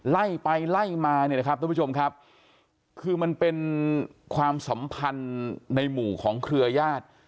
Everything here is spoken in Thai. ไล่ไปไล่มาเนี่ยนะครับทุกผู้ชมครับคือมันเป็นความสัมพันธ์ในหมู่ของเครือญาติ